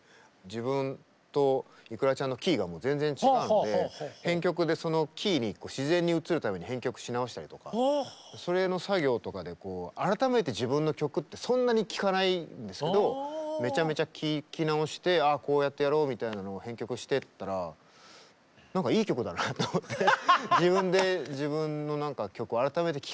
自分とｉｋｕｒａちゃんのキーが全然違うので編曲でそのキーに自然に移るために編曲し直したりとかそれの作業とかで改めて自分の曲ってそんなに聴かないんですけどめちゃめちゃ聴き直して「ああこうやってやろう」みたいなのを編曲してったら何かいい曲だなと思ってへえなるほどね。